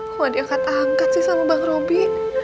kok diangkat angkat sih sama bang robi